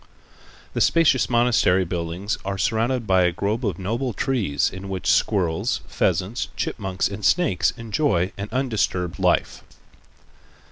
The spacious monastery buildings are surrounded by a grove of noble trees, in which squirrels, pheasants, chipmunks and snakes enjoy an undisturbed life.